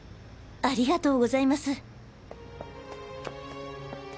ありがとうございます。